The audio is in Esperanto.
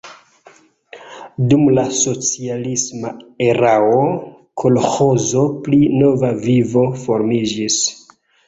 Dum la socialisma erao kolĥozo pri Nova Vivo formiĝis.